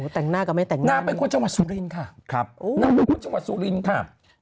แต่งหน้าก็ไม่แต่งหน้านางเป็นคนจังหวัดสุรินทร์ค่ะครับนางเป็นคนจังหวัดสุรินทร์ค่ะ